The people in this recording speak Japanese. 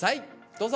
どうぞ！